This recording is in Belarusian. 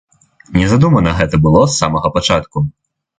Не задумана гэта было з самага пачатку!